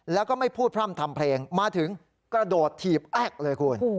แล้วก็ไม่พูดพร่ำทำเพลงมาถึงกระโดดถีบแอ๊กเลยคุณ